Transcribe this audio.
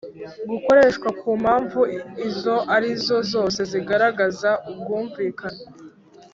gukoreshwa ku mpamvu izo ari zo zose zigaragaza ubwumvikane